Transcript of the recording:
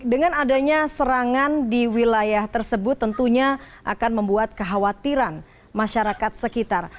dengan adanya serangan di wilayah tersebut tentunya akan membuat kekhawatiran masyarakat sekitar